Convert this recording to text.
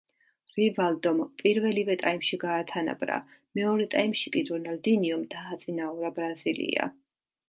რივალდომ პირველივე ტაიმში გაათანაბრა, მეორე ტაიმში კი რონალდინიომ დააწინაურა ბრაზილია.